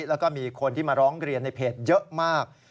แล้วก็มีคนที่มาร้องเรียนในเพจเยอะมาก